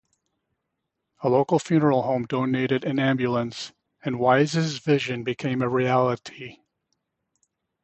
A local funeral home donated an ambulance, and Wise's vision became a reality.